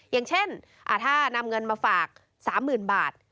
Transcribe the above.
อย่างเช่นถ้านำเงินมาฝาก๓๐๐๐บาท